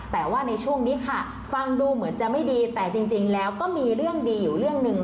แต่ว่าในช่วงนี้ค่ะฟังดูเหมือนจะไม่ดีแต่จริงแล้วก็มีเรื่องดีอยู่เรื่องหนึ่ง